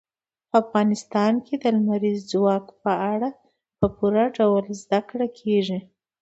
په افغانستان کې د لمریز ځواک په اړه په پوره ډول زده کړه کېږي.